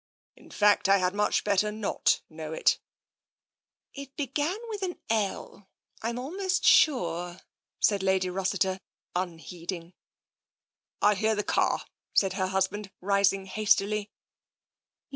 In fact, I had much better not know it/' " It began with an * L/ Fm almost sure/' said Lady Rossiter, unheeding. " I hear the car," said her husband, rising hastily.